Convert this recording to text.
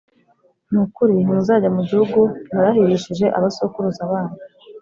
Ni ukuri ntimuzajya mu gihugu narahirishije abasokuruza banyu